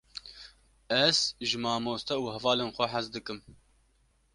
Ez ji mamoste û hevalên xwe hez dikim.